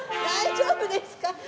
大丈夫ですか？